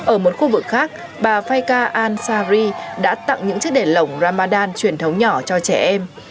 ở một khu vực khác bà fayka al sahri đã tặng những chiếc đèn lồng ramadan truyền thống nhỏ cho trẻ em